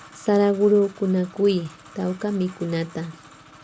Saraguro kunakuy tawka mikunakunata.